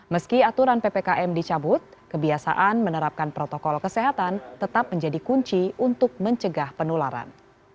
meski aturan ppkm dicabut kebiasaan menerapkan protokol kesehatan tetap menjadi kunci untuk mencegah penularan